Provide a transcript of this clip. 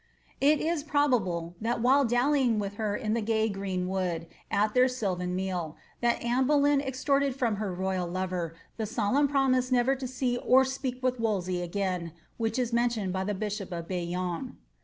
It is probable, that while dallying with her in the gay green wood, at their sylvan meal, that Anne Boleyn extorted from her royal lover the solemn promise never to see or speak with Wolsey again, which is men tioned by the bishop of Bayonne.'